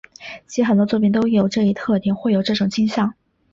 其很多作品都有这一特点或有这种倾向。